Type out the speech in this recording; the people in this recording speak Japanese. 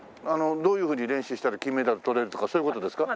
どういうふうに練習したら金メダル取れるとかそういう事ですか？